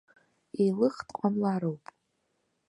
Еилых дҟамлароуп!